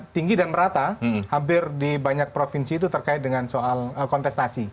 tinggi dan merata hampir di banyak provinsi itu terkait dengan soal kontestasi